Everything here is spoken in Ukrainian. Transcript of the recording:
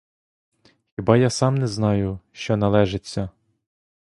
Хіба я сам не знаю, що належиться?